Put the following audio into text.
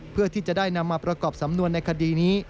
เพื่อที่จะได้นำมาประกอบสำนวนในคดีนี้